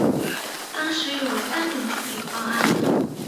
当时有三种处理方案。